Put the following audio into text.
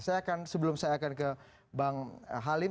saya akan sebelum saya akan ke bang halim